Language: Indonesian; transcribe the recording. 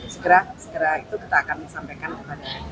segera segera itu kita akan sampaikan kepada